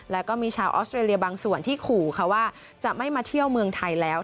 แล้วก็มีชาวออสเตรเลียบางส่วนที่ขู่ค่ะว่าจะไม่มาเที่ยวเมืองไทยแล้ว